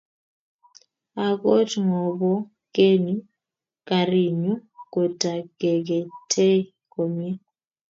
akot ngo bo keny garinyu ko ta keketei komie